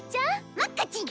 まっかちん！